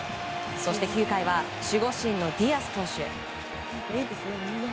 そして９回は守護神のディアス選手。